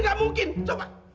gak mungkin bagaimana